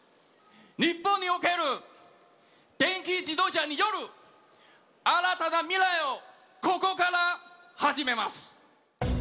日本における電気自動車による新たな未来をここから始めます。